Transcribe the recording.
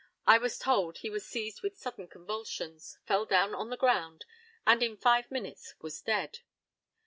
I was told he was seized with sudden convulsions, fell down on the ground, and in five minutes was dead.